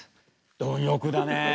貪欲だね。